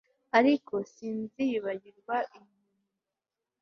ariko sinzabagirira impuhwe